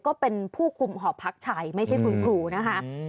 ก็เป็นผู้คุมหอพักชัยไม่ใช่คุณครูนะคะ